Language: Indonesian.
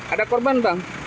ada korban bang